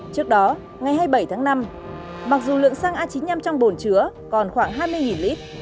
trước đó ngày hai mươi bảy tháng năm mặc dù lượng xăng a chín mươi năm trong bồn chứa còn khoảng hai mươi lít